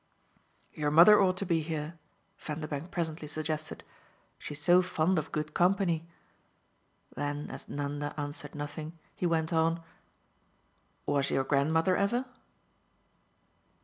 "Your mother ought to be here," Vanderbank presently suggested. "She's so fond of good company." Then as Nanda answered nothing he went on: "Was your grandmother ever?"